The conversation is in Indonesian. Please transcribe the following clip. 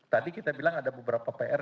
tadi kita bilang ada beberapa pr